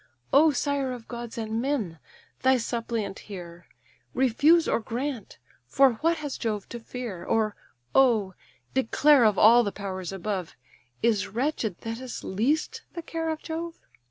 "O sire of gods and men! thy suppliant hear; Refuse, or grant; for what has Jove to fear? Or oh! declare, of all the powers above, Is wretched Thetis least the care of Jove?"